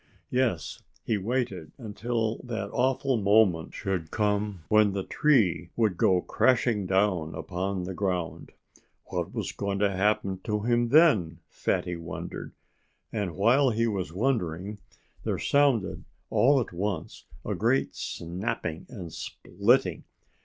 Yes! he waited until that awful moment should come when the tree would go crashing down upon the ground. What was going to happen to him then? Fatty wondered. And while he was wondering there sounded all at once a great snapping and splitting.